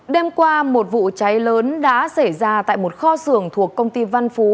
đêm qua một vụ cháy lớn đã xảy ra tại một kho xưởng thuộc công ty văn phú